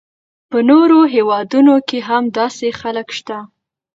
په نورو هیوادونو کې هم داسې خلک شته.